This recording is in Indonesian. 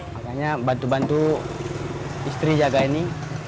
makanya bantu bantu istri jaga ini